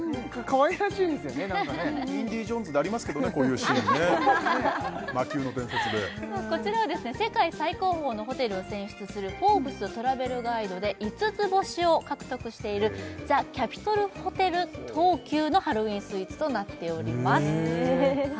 こういうシーンね「魔宮の伝説」でこちらは世界最高峰のホテルを選出する「フォーブストラベルガイド」で五つ星を獲得しているザ・キャピトルホテル東急のハロウィンスイーツとなっております